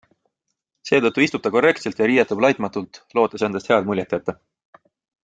Seetõttu istub ta korrektselt ja riietub laitmatult, lootes endast head muljet jätta.